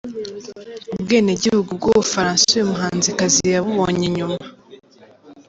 Ubwenegihugu bwUbufaransa uyu muhanzikazi yabubonye nyuma.